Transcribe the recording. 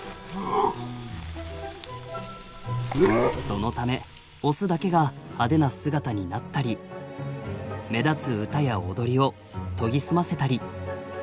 そのためオスだけが派手な姿になったり目立つ歌や踊りを研ぎ澄ませたり。